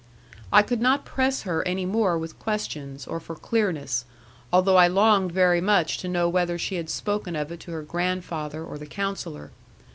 I could not press her any more with questions, or for clearness; although I longed very much to know whether she had spoken of it to her grandfather or the Counsellor.